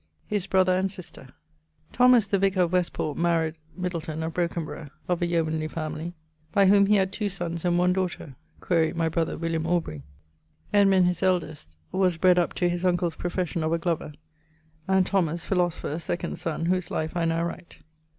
<_His brother and sister._> Thomas, the vicar of Westport, maried ... Middleton[FI] of Brokenborough[XCIII.] (of a yeomanly family), by whom he had two sonnes and one daughter (quaere my brother William Aubrey) Edmund, his eldest (was bred up to his uncle's profession of a glover); and Thomas (philosopher), second son, whose life I now write.